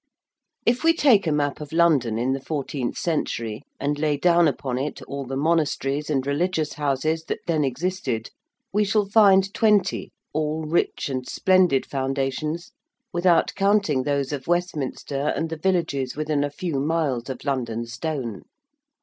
If we take a map of London in the fourteenth century and lay down upon it all the monasteries and religious Houses that then existed we shall find twenty, all rich and splendid Foundations, without counting those of Westminster and the villages within a few miles of London Stone.